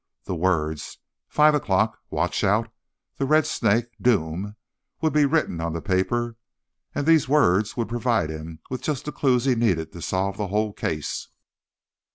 The words: "Five o'clock, watch out, the red snake, doom," would be written on the paper and these words would provide him with just the clues he needed to solve the whole case.